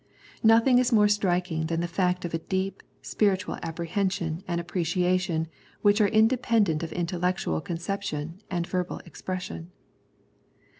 Nothing is more striking than the fact of a deep, spiritual apprehension and appreciation which are independent of intellectual con ception and verbal expression.